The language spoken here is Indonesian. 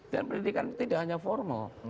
dan pendidikan itu tidak hanya formal